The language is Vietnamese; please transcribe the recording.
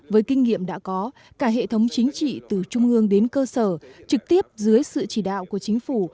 với kinh nghiệm đã có cả hệ thống chính trị từ trung ương đến cơ sở trực tiếp dưới sự chỉ đạo của chính phủ